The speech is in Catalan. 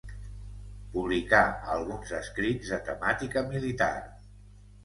Publicà alguns escrits de temàtica militar.